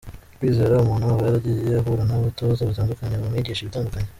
Kwizera: Umuntu aba yaragiye ahura n’abatoza batandukanye bamwigisha ibitandukanye.